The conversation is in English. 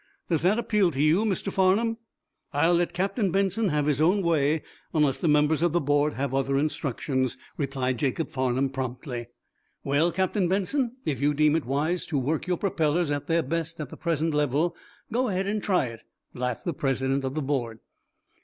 "Does that appeal to you, Mr. Farnum?" "I'll let Captain Benson have his own way, unless the members of the board have other instructions," replied Jacob Farnum, promptly. "Well, Captain Benson, if you deem it wise to work your propellers at their best at the present level, go ahead and try it," laughed the president of the board.